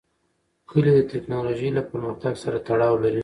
کلي د تکنالوژۍ له پرمختګ سره تړاو لري.